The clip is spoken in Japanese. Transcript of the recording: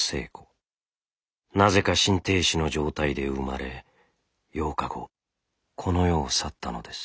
なぜか心停止の状態で生まれ８日後この世を去ったのです。